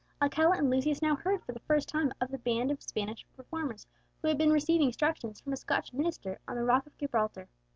Alcala and Lucius now heard for the first time of the band of Spanish reformers who had been receiving instruction from a Scotch minister on the rock of Gibraltar.